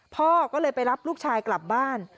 พ่อก็เลยไปรับลูกชายกลับบ้าน